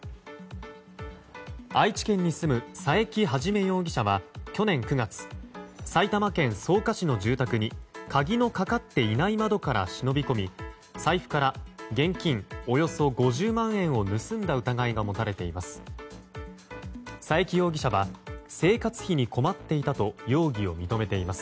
愛知県に住む佐伯一容疑者は去年９月、埼玉県草加市の住宅に鍵のかかっていない窓から忍び込み財布から現金およそ５０万円を盗んだ疑いが持たれています。